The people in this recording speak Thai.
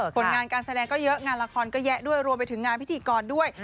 ผลงานการแสดงก็เยอะงานละครก็แยะด้วยรวมไปถึงงานพิธีกรด้วย